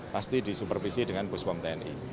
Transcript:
pasti disupervisi dengan pus pom tni